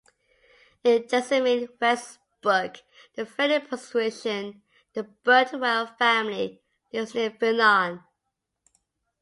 In Jessamyn West's book, "The Friendly Persuasion", the Birdwell family lives near Vernon.